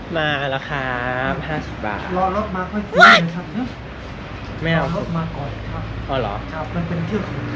มาแล้วครับ๕๐บาท